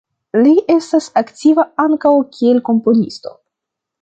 Li estas aktiva ankaŭ, kiel komponisto.